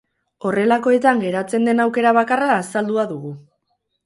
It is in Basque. Horrelakoetan geratzen den aukera bakarra azaldua dugu.